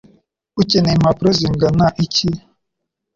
Ukeneye impapuro zingana iki?